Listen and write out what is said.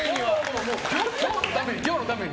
もう、今日のために！